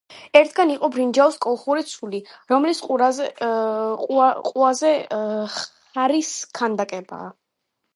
ერთგან იყო ბრინჯაოს კოლხური ცული, რომლის ყუაზე ხარის ქანდაკებაა.